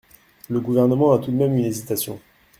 Le Gouvernement a tout de même une hésitation.